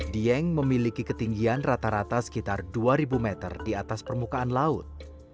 dieng memiliki ketinggian rata rata sekitar dua ribu meter di atas permukaan laut